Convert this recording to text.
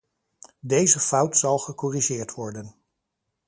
Deze fout zal gecorrigeerd worden.